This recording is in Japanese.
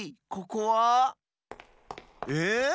ここは？え？